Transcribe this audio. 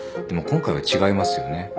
でも今回は違いますよね。